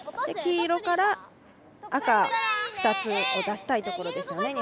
黄色から赤２つを出したいところですね。